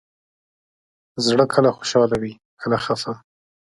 زړه کله خوشحاله وي، کله خفه.